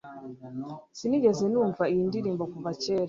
Sinigeze numva iyi ndirimbo kuva kera.